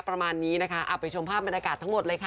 ประมาณนี้นะคะเอาไปชมภาพบรรยากาศทั้งหมดเลยค่ะ